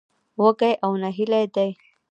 وږي او نهيلي دي.